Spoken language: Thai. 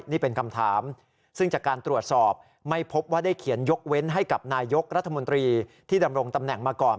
นี่เป็นคำถามซึ่งจากการตรวจสอบไม่พบว่าได้เขียนยกเว้นให้กับนายกรัฐมนตรีที่ดำรงตำแหน่งมาก่อน